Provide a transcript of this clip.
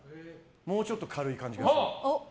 もうちょっと軽い感じがする。